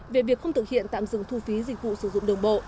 về việc không thực hiện tạm dừng thu phí dịch vụ sử dụng đường bộ